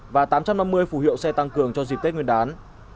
và tám trăm năm mươi phù hiệu xe tăng cường cho dịp tết nguyên đán